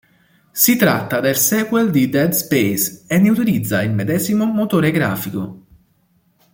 Si tratta del sequel di "Dead Space" e ne utilizza il medesimo motore grafico.